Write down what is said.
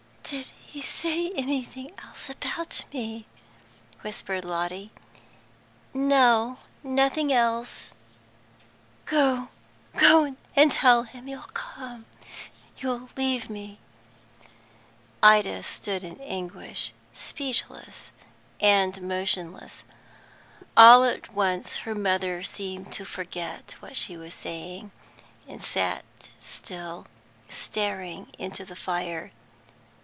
"Did he say anything else about me?" whispered Lotty. "No, nothing else." "Go go and tell him you'll come, you'll leave me." Ida stood in anguish, speechless and motionless. All at once her mother seemed to forget what she was saying, and sat still, staring into the fire.